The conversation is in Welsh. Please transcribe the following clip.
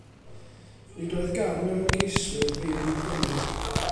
Nid oedd gan yr ymgeiswyr ddim i'w gynnig.